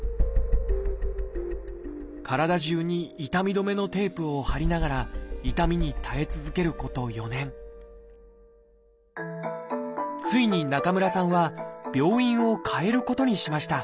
体じゅうに痛み止めのテープを貼りながら痛みに耐え続けること４年ついに中村さんは病院を替えることにしました。